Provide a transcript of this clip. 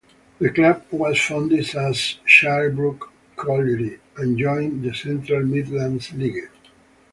The club was founded as Shirebrook Colliery, and joined the Central Midlands League.